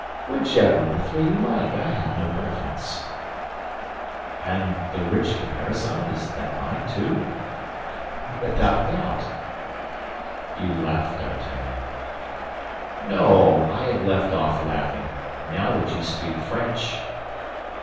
"Whichever of the three you like, I have no preference." "And the rich caparison, is that mine, too?" "Without doubt." "You laugh, D'Artagnan." "No, I have left off laughing, now that you speak French."